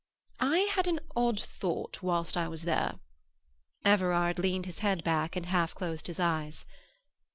"I had an odd thought whilst I was there." Everard leaned his head back, and half closed his eyes.